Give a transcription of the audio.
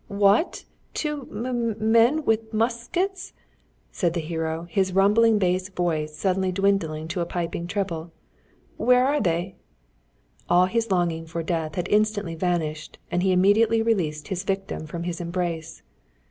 "Wha a at, two m m men with mus us kets?" said the hero, his rumbling bass baritone voice suddenly dwindling into a piping treble. "Where are they?" All his longing for death had instantly vanished, and he immediately released his victim from his embrace.